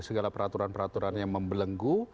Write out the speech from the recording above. segala peraturan peraturan yang membelenggu